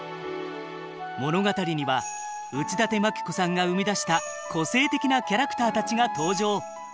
物語には内館牧子さんが生み出した個性的なキャラクターたちが登場。